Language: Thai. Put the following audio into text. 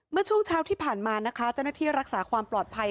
เมื่อช่วงเช้าที่ผ่านมานะคะเจ้าหน้าที่รักษาความปลอดภัย